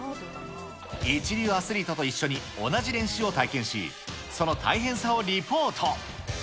一流アスリートと一緒に同じ練習を体験し、その大変さをリポート。